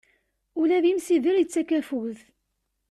Ula d imsider, yettak afud.